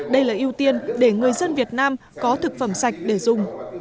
đây là ưu tiên để người dân việt nam có thực phẩm sạch để dùng